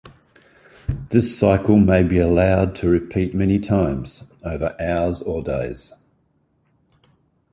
This cycle may be allowed to repeat many times, over hours or days.